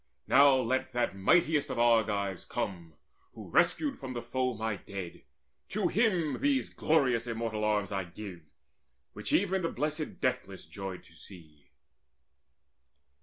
Now let that mightiest of the Argives come Who rescued from the foe my dead: to him These glorious and immortal arms I give Which even the blessed Deathless joyed to see."